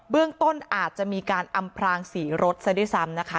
เรื่องต้นอาจจะมีการอำพลางสีรถซะด้วยซ้ำนะคะ